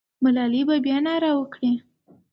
ملالۍ به بیا ناره وکړي.